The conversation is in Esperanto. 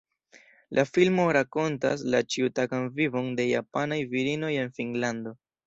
La filmo rakontas la ĉiutagan vivon de japanaj virinoj en Finnlando.